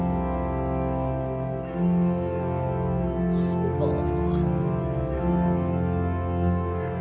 すごい。